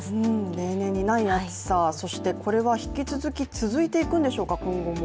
例年にない暑さ、そしてこれは引き続き続いていくんでしょうか、今後も？